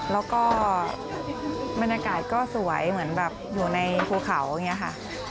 แล้วก็บรรยากาศก็สวยเหมือนแบบอยู่ในภูเขาอย่างนี้ค่ะ